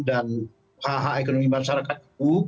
dan hh ekonomi masyarakat